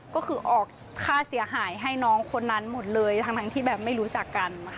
ก็คือออกค่าเสียหายให้น้องคนนั้นหมดเลยทั้งที่แบบไม่รู้จักกันค่ะ